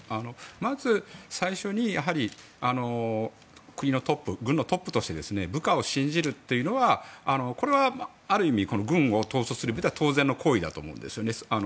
まず最初に国のトップ、軍のトップとして部下を信じるというのはある意味、軍を統率する意味では当然の行為だと思うんですね。